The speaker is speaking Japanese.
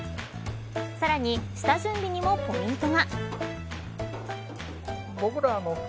さらに、下準備にもポイントが。